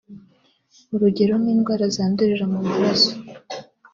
urugero nk’indwara zandurira mu maraso